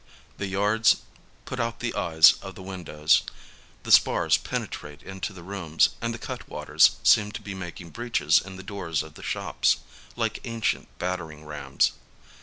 The yards put out the eyes of the windows, the spars penetrate into the rooms, and the cut waters seem to be making breaches in the doors of the shops, like ancient battering rams.